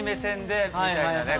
みたいなね